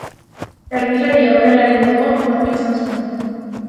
Erdilari-aurrelari moduan jokatu izan zuen.